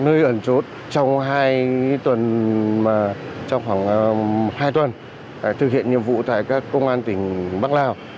nơi ẩn chốt trong khoảng hai tuần thực hiện nhiệm vụ tại các công an tỉnh bắc lào